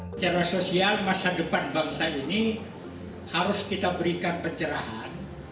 secara sosial masa depan bangsa ini harus kita berikan pencerahan